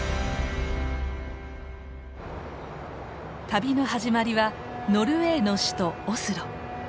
旅の始まりはノルウェーの首都オスロ。